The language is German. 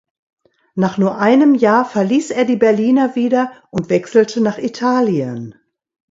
Nach nur einem Jahr verließ er die Berliner wieder und wechselte nach Italien.